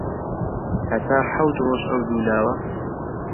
هەتا حەوت ڕۆژ ئەو دوو لاوە